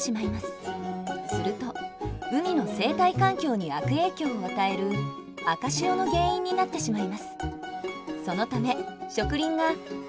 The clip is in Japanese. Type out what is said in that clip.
すると海の生態環境に悪影響を与える赤潮の原因になってしまいます。